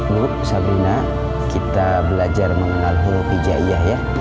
lu sabrina kita belajar mengenal huruf hijaiyah ya